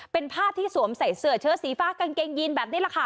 เป็นภาพที่สวมใส่เสื้อเชิดสีฟ้ากางเกงยีนแบบนี้แหละค่ะ